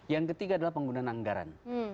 yang ketiga adalah penggunaan anggaran